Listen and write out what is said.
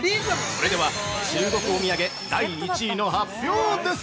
◆それでは、中国お土産第１位の発表です！